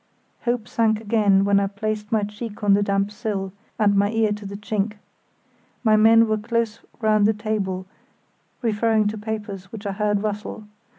Hope sank again when I placed my cheek on the damp sill, and my ear to the chink. My men were close round the table referring to papers which I heard rustle.